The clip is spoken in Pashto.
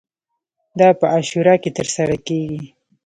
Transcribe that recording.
دا په عاشورا کې ترسره کیږي.